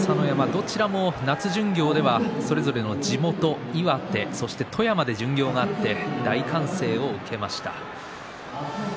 どちらも夏巡業ではそれぞれの地元岩手、富山で巡業があって大歓声を受けました。